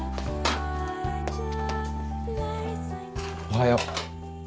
おはよう。